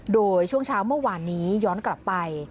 โดยช่วงเช้าเมื่อวานนี้ย้อนกลับไป